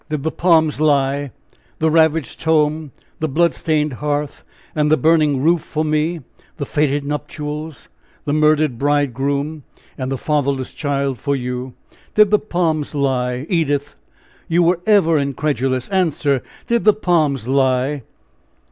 Did the palms lie? The ravaged tome, the blood stained hearth, and the burning roof for me the fated nuptials, the murdered bridegroom, and the fatherless child for you. Did the palms lie, Edith? You were ever incredulous! Answer, did the palms lie?"